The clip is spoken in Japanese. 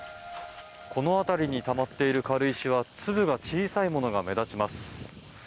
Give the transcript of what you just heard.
この辺りにたまっている軽石は粒が小さいものが目立ちます。